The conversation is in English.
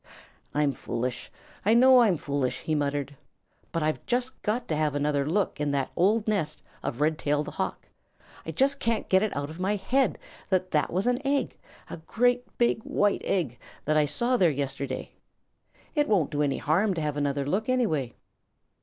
"I'm foolish. I know I'm foolish," he muttered. "But I've just got to have another look in that old nest of Redtail the Hawk. I just can't get it out of my head that that was an egg, a great, big, white egg, that I saw there yesterday. It won't do any harm to have another look, anyway."